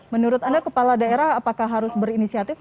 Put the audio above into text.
menurut anda kepala daerah apakah harus berinisiatif